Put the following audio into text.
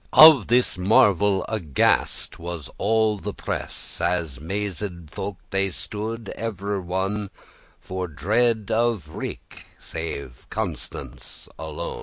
* Of this marvel aghast was all the press, As mazed folk they stood every one For dread of wreake,* save Constance alone.